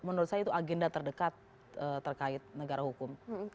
menurut saya itu agenda terdekat terkait negara hukum